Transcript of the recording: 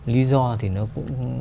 lý do thì nó cũng